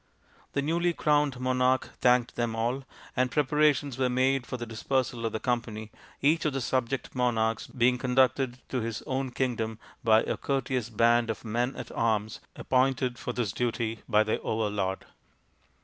The newly crowned monarch thanked them all, and preparations were made for the dispersal of the company, each of the subject monarchs being conducted to his own kingdom by a courteous band of men at arms appointed for this duty by their overlord.